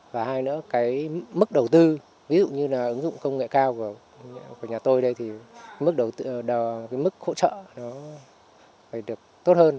và hai nữa mức đầu tư ví dụ như ứng dụng công nghệ cao của nhà tôi đây thì mức hỗ trợ phải được tốt hơn